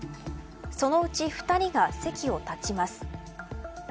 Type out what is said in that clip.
そのうち２人が席を立ちます。